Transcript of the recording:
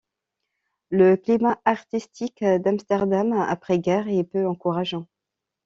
Le climat artistique d'Amsterdam après-guerre est peu encourageant.